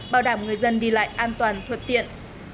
bảo đảm người dân đi lại an toàn thuận tiện